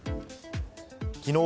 きのう